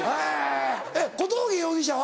小峠容疑者は？